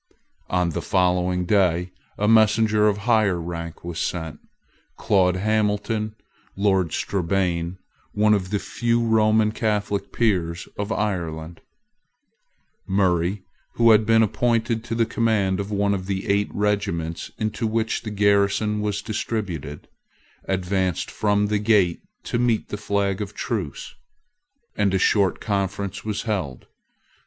On the following day a messenger of higher rank was sent, Claude Hamilton, Lord Strabane, one of the few Roman Catholic peers of Ireland. Murray, who had been appointed to the command of one of the eight regiments into which the garrison was distributed, advanced from the gate to meet the flag of truce; and a short conference was held.